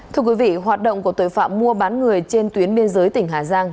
thưa quý vị hoạt động của tội phạm mua bán người trên tuyến biên giới tỉnh hà giang